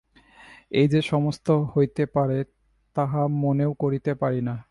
এ যে সম্ভব হইতে পারে তাহা মনেও করিতে পারি না।